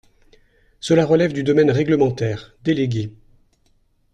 Cela relève du domaine réglementaire, délégué.